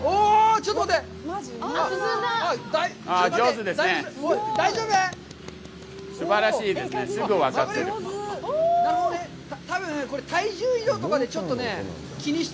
ちょっと待って！